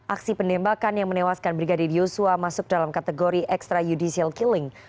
aksi penembakan yang menewaskan brigadir yosua masuk dalam kategori extrajudicial killing